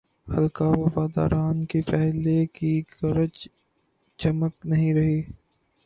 حلقۂ وفاداران کی پہلے کی گرج چمک نہیںرہی۔